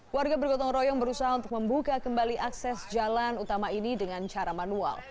warga bergotong royong berusaha untuk membuka kembali akses jalan utama ini dengan cara manual